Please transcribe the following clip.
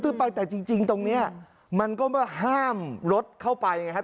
คือไปแต่จริงตรงนี้มันก็มาห้ามรถเข้าไปไงครับ